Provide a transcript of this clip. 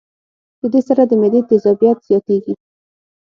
د دې سره د معدې تېزابيت زياتيږي